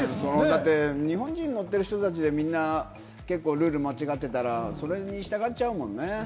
日本人の乗ってる人たちで、みんなルール間違ってたらそれに従っちゃうもんね。